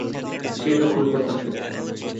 কে দখল করতাসে?